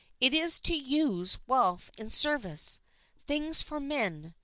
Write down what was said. It is to use wealth in service, things for men.